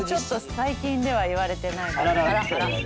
最近では言われてないです。